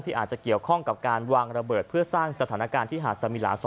อาจจะเกี่ยวข้องกับการวางระเบิดเพื่อสร้างสถานการณ์ที่หาดสมิลา๒